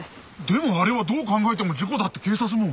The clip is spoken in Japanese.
でもあれはどう考えても事故だって警察も。